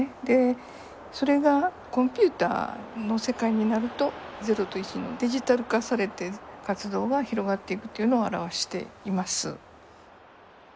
でそれがコンピューターの世界になると０と１のデジタル化されて活動が広がっていくというのを表しています。